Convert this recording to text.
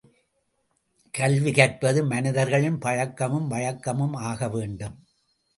கல்வி கற்பது மனிதர்களின் பழக்கமும் வழக்கமும் ஆகவேண்டும்.